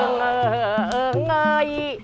เอิ่งเอิ่งเงย